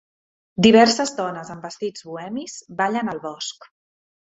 Diverses dones amb vestits bohemis ballen al bosc.